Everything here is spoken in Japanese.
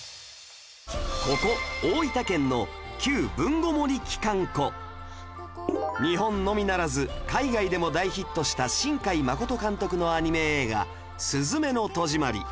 ここ大分県の日本のみならず海外でも大ヒットした新海誠監督のアニメ映画『すずめの戸締まり』